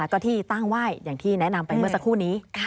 ก็ที่ตั้งไหว้อย่างที่แนะนำไปเมื่อสักครู่นี้